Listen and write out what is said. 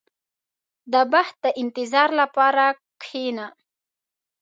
• د بخت د انتظار لپاره کښېنه.